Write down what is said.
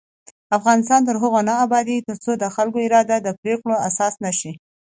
افغانستان تر هغو نه ابادیږي، ترڅو د خلکو اراده د پریکړو اساس نشي.